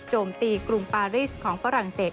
โจมตีกรุงปารีสของฝรั่งเศส